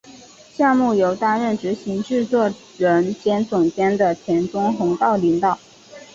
项目由担任执行制作人兼总监的田中弘道领导。